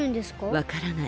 わからない。